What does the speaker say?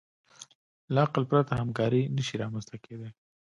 له عقل پرته همکاري نهشي رامنځ ته کېدی.